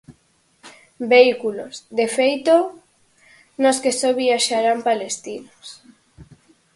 Vehículos, de feito, nos que só viaxarán palestinos.